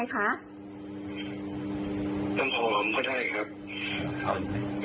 น้ำหอมก็ได้ครับ